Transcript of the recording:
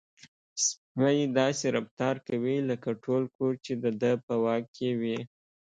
سپی داسې رفتار کوي لکه ټول کور چې د ده په واک کې وي.